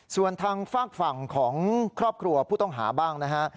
ส่วนทางฝากฝั่งของครอบครัวผู้ต้องหาบ้างนะฮะ